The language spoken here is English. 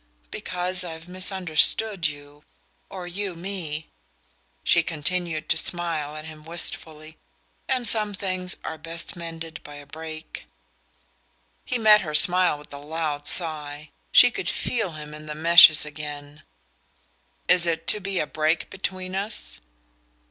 "Because I've misunderstood you or you me." She continued to smile at him wistfully. "And some things are best mended by a break." He met her smile with a loud sigh she could feel him in the meshes again. "IS it to be a break between us?"